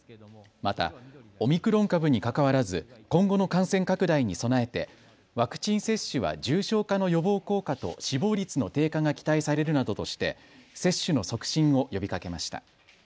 また、オミクロン株にかかわらず、今後の感染拡大に備えてワクチン接種は重症化の予防効果と死亡率の低下が期待されるなどとして接種の促進を呼びかけました。